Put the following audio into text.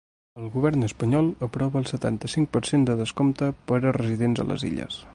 El govern espanyol aprova el setanta-cinc per cent de descompte per a residents a les Illes.